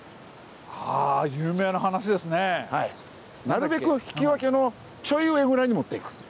なるべく引き分けのちょい上ぐらいに持っていく。